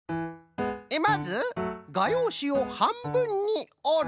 まずがようしをはんぶんにおる。